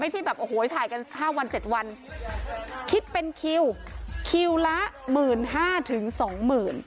ไม่ใช่แบบโอ้โหถ่ายกัน๕วัน๗วันคิดเป็นคิวคิวละหมื่นห้าถึงสองหมื่น